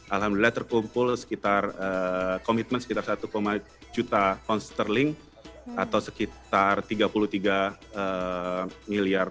alhamdulillah terkumpul sekitar komitmen sekitar satu satu juta konserling atau sekitar tiga puluh tiga juta